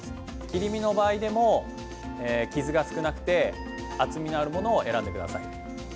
切り身の場合でも、傷が少なくて厚みのあるものを選んでください。